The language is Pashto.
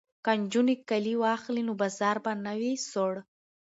که نجونې کالي واخلي نو بازار به نه وي سوړ.